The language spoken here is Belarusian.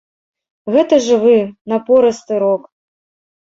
Гэта жывы, напорысты рок.